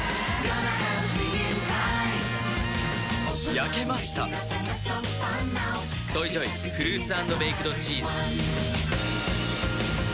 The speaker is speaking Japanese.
焼けました「ＳＯＹＪＯＹフルーツ＆ベイクドチーズ」